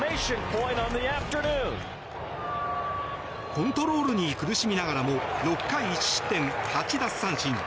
コントロールに苦しみながらも６回１失点８奪三振。